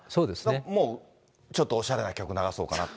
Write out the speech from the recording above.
もうちょっとおしゃれな曲流そうかなと。